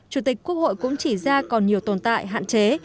chủ tịch quốc hội cũng chỉ ra còn nhiều tồn tại hạn chế